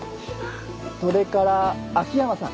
それから秋山さん。